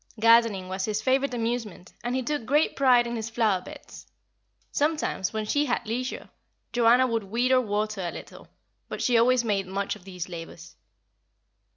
Gardening was his favourite amusement, and he took great pride in his flower beds. Sometimes, when she had leisure, Joanna would weed or water a little; but she always made much of these labours.